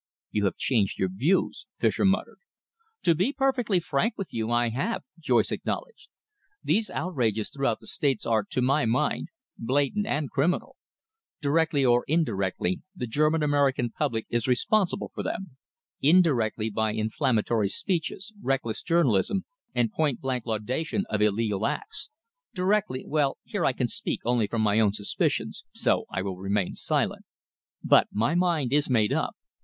"You have changed your views," Fischer muttered. "To be perfectly frank with you, I have," Joyce acknowledged. "These outrages throughout the States are, to my mind, blatant and criminal. Directly or indirectly, the German American public is responsible for them indirectly, by inflammatory speeches, reckless journalism, and point blank laudation of illegal acts; directly well, here I can speak only from my own suspicions, so I will remain silent. But my mind is made up.